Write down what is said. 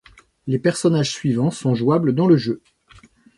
Les personnages suivants sont jouables dans le jeu.